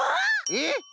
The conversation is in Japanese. えっ？